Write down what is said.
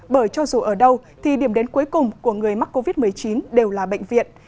bởi cho dù ở đâu thì điểm đến cuối cùng của người mắc covid một mươi chín đều là bệnh viện